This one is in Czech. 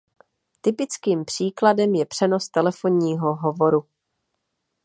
Typickým příkladem je přenos telefonního hovoru.